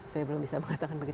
saya belum bisa mengatakan begitu